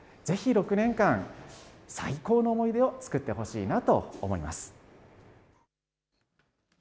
ぜひ６年間、最高の思い出を作ってほしいなと思います。